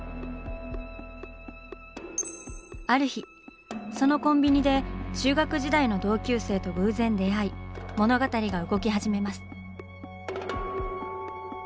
ある日そのコンビニで中学時代の同級生と偶然出会い物語が動き始めます。